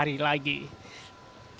perlihatannya lebih luas sedikit dari berikut